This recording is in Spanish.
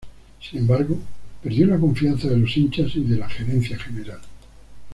Sin embargo, perdió la confianza de los hinchas y de la gerencia general.